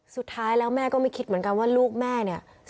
สุดท้ายแล้วแม่ก็ไม่คิดเหมือนกันว่าลูกแม่เนี่ย